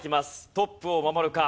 トップを守るか？